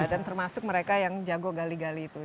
dan termasuk mereka yang jago gali gali itu